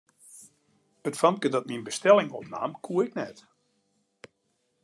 It famke dat myn bestelling opnaam, koe ik net.